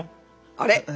あれ？